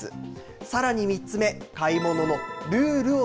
さらに３つ目、買い物のルールを